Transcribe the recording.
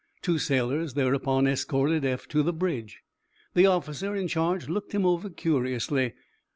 Two sailors thereupon escorted Eph to the bridge. The officer in charge looked him over curiously.